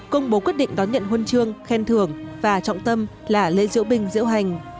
công bố quyết định đón nhận huân chương khen thưởng và trọng tâm là lễ diễu binh diễu hành